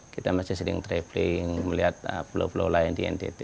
kita masih sering traveling melihat pulau pulau lain di ntt